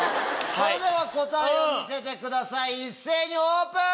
それでは答えを見せてください一斉にオープン！